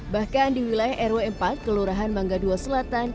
bahkan di wilayah rw empat kelurahan mangga dua selatan